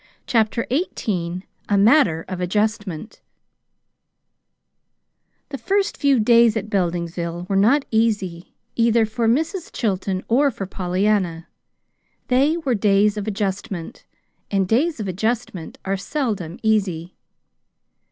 CHAPTER XVIII A MATTER OF ADJUSTMENT The first few days at Beldingsville were not easy either for Mrs. Chilton or for Pollyanna. They were days of adjustment; and days of adjustment are seldom easy.